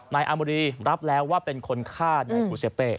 นายอามรีรับแล้วว่าเป็นคนฆ่านายภูเซเป้